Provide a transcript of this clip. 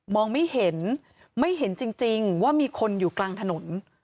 ไม่เห็นไม่เห็นจริงว่ามีคนอยู่กลางถนน